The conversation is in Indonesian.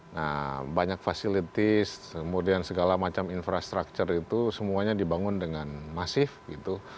nah banyak fasilities kemudian segala macam infrastruktur itu semuanya dibangun dengan masif gitu